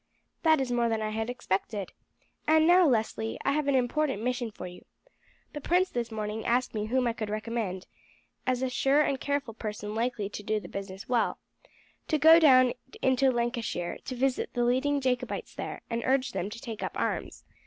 "That is more than I had expected. And now, Leslie, I have an important mission for you. The prince this morning asked me whom I could recommend, as a sure and careful person likely to do the business well, to go down into Lancashire to visit the leading Jacobites there, and urge them to take up arms.